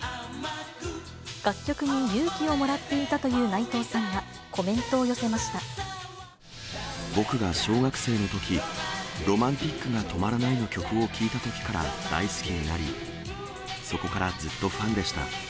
楽曲に勇気をもらっていたという内藤さんは、コメントを寄せまし僕が小学生のとき、Ｒｏｍａｎｔｉｃが止まらないの曲を聴いたときから大好きになり、そこからずっとファンでした。